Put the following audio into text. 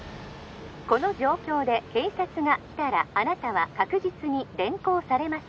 この状況で警察が来たら☎あなたは確実に連行されます